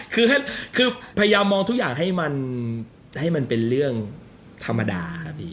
คือพยายามมองทุกอย่างให้มันเป็นเรื่องธรรมดา